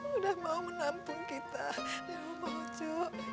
udah mau menampung kita ya bang hojo